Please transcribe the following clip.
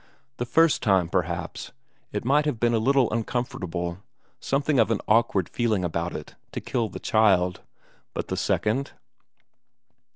The first time, perhaps, it might have been a little uncomfortable, something of an awkward feeling about it, to kill the child; but the second?